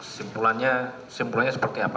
simpulannya seperti apa